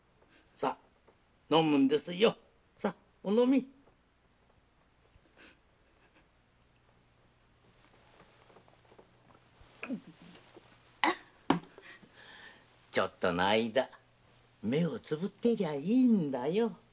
さお飲みちょっとの間目をつむってりゃいいんだよ。